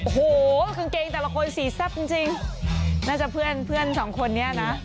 โอ้โหกางเกงแต่ละคนสีซับจริงน่าจะเพื่อน๒คนเนี่ยนะ